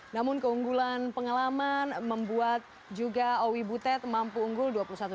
namun keunggulan pengalaman membuat juga owi butet mampu unggul dua puluh satu tujuh belas